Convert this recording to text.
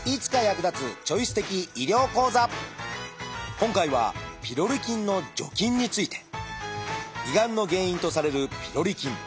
今回はピロリ菌の除菌について。胃がんの原因とされるピロリ菌。